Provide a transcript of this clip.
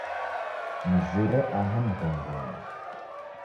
Nizire aha mghongonyi